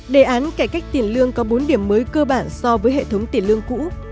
đề án cải cách tiền lương có bốn điểm mới cơ bản so với hệ thống tiền lương cũ